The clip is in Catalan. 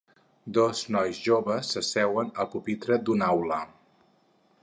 Dos nois joves s'asseuen al pupitre d'una aula.